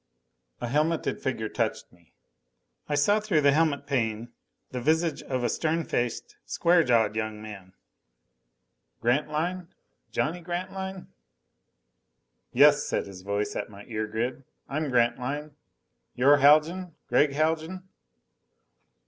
A helmeted figure touched me. I saw through the helmetpane the visage of a stern faced, square jawed young man. "Grantline? Johnny Grantline?" "Yes," said his voice at my ear grid. "I'm Grantline. You're Haljan? Gregg Haljan?"